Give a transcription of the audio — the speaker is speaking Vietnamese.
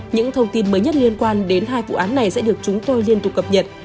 những thông tin mới nhất liên quan đến hai vụ án này sẽ được chúng tôi liên tục cập nhật